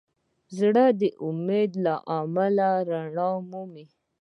زړه د امید له امله رڼا مومي.